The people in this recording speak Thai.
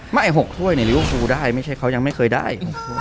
ไม่๖ถ้วยหรือว่ากูได้ไม่ใช่เขายังไม่เคยได้